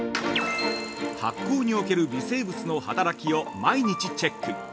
◆発酵における微生物の働きを毎日チェック。